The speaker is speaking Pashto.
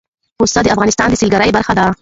پسه د افغانستان د سیلګرۍ برخه ده.